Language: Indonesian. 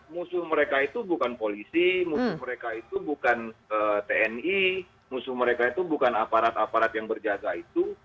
musuh mereka itu bukan polisi musuh mereka itu bukan tni musuh mereka itu bukan aparat aparat yang berjaga itu